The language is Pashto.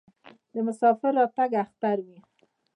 د مسافر راتګ اختر وي.